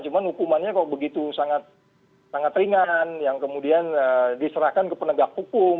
cuma hukumannya kok begitu sangat ringan yang kemudian diserahkan ke penegak hukum